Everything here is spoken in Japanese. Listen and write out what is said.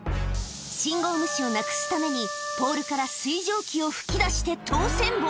信号無視をなくすために、ポールから水蒸気を噴き出して通せんぼ。